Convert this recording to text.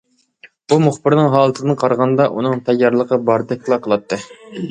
بۇ مۇخبىرنىڭ ھالىتىدىن قارىغاندا، ئۇنىڭ تەييارلىقى باردەكلا قىلاتتى.